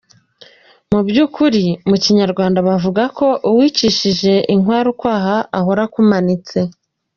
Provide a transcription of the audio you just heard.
Mu by’ukuri mu kinyarwanda bavuga ko «uwicishije inkware ukwaha ahora akumanitse».